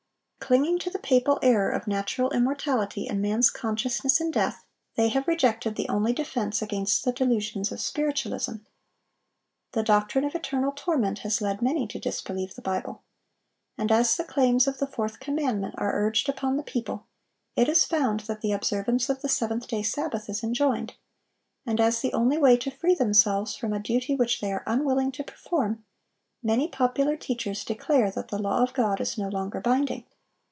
Clinging to the papal error of natural immortality and man's consciousness in death, they have rejected the only defense against the delusions of Spiritualism. The doctrine of eternal torment has led many to disbelieve the Bible. And as the claims of the fourth commandment are urged upon the people, it is found that the observance of the seventh day Sabbath is enjoined; and as the only way to free themselves from a duty which they are unwilling to perform, many popular teachers declare that the law of God is no longer binding.